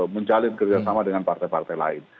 menjalin kerjasama dengan partai partai lain